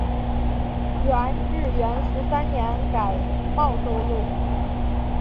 元至元十三年改婺州路。